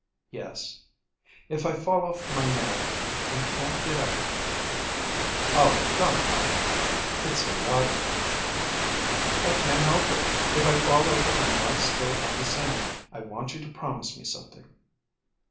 "Yes?" "If I fall off my nag and can't get up again " "Oh, don't talk like that. It's idiotic." "I can't help it. If I fall over and lie still on the sand, I want you to promise me something."